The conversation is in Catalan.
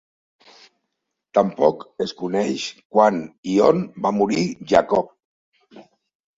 Tampoc es coneix quan i on va morir Jacob.